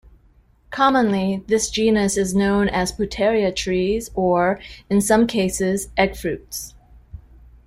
Commonly, this genus is known as pouteria trees or, in some cases, eggfruits.